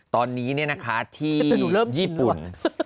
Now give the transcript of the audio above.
ตอนนี้ที่ญี่ปุ่น